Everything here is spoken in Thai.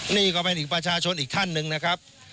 นี่ก็เป็นอีกประชาชนอีกท่านหนึ่งนะครับ